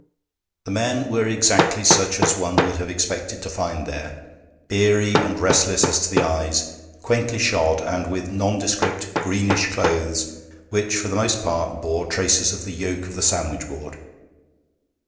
The men were exactly such as one would have expected to find there beery and restless as to the eyes, quaintly shod, and with nondescript greenish clothes which for the most part bore traces of the yoke of the sandwich board.